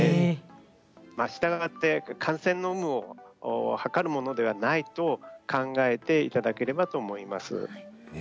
したがって、感染の有無をはかるものではないと考えていただければと思います。